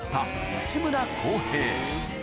内村航平